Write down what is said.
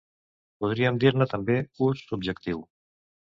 Podríem dir-ne també ús subjectiu.